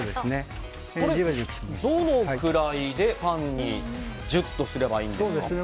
これ、どのくらいでパンにジュッとすればいいんでしょうか。